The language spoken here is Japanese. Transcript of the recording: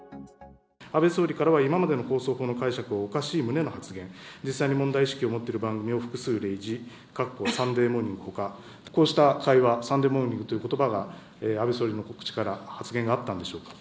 安倍総理からは今までの放送法の解釈はおかしい旨の発言、実際に問題意識を持っている番組を複数例示、かっこサンデーモーニングほか、こうした会話、サンデーモーニングということばが、安倍総理の口から発言があったんでしょうか。